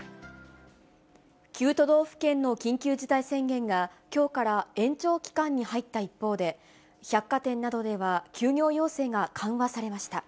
９都道府県の緊急事態宣言が、きょうから延長期間に入った一方で、百貨店などでは休業要請が緩和されました。